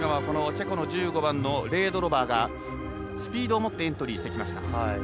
チェコの１５番のレードロバーがスピードを持ってエントリーしてきました。